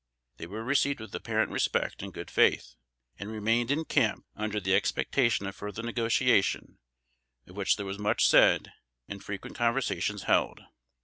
They were received with apparent respect and good faith, and remained in camp under the expectation of further negotiation; of which there was much said, and frequent conversations held.